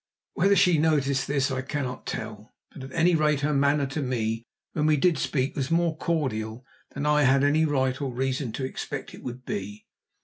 Whether she noticed this I cannot tell, but at any rate her manner to me when we did speak was more cordial than I had any right or reason to expect it would be.